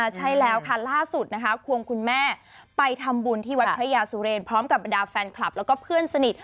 ใช่แล้วค่ะล่าสุดนะคะควงคุณแม่ไปทำบุญที่วัดพระยาสุเรนพร้อมกับบรรดาแฟนคลับแล้วก็เพื่อนสนิท